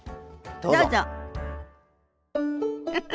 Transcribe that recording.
どうぞ。